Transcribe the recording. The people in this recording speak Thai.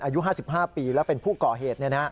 อายุ๕๕ปีแล้วเป็นผู้ก่อเหตุ